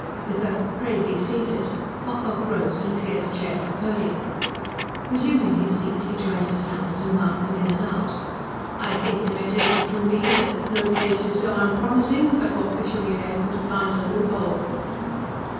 With a "Pray be seated!" Ocock rose and cleared a chair for Purdy. Resuming his seat he joined his hands, and wound them in and out. "I think you may take it from me that no case is so unpromising but what we shall be able to find a loophole."